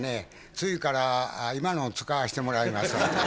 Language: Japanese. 次から今のを使わしてもらいますわ。